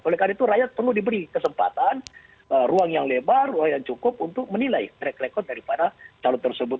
oleh karena itu rakyat perlu diberi kesempatan ruang yang lebar ruang yang cukup untuk menilai track record daripada calon tersebut